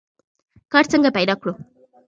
کار څنګه پیدا کړو؟